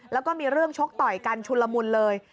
แล้วก็มีเรื่องชกต่อยกันชุนละมุนเลย